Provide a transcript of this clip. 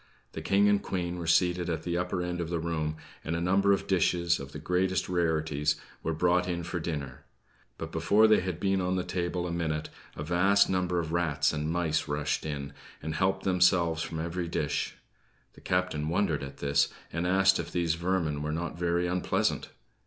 The King and Queen were seated at the upper end of the room; and a number of dishes, of the greatest rarities, were brought in for dinner; but, before they had been on the table a minute, a vast number of rats and mice rushed in, and helped themselves from every dish. The captain wondered at this, and asked if these vermin were not very unpleasant.